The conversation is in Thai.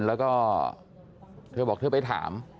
แล้วเธอบอกว่าจะไปถาม